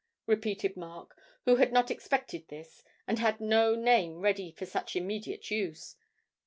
repeated Mark, who had not expected this and had no name ready for such immediate use.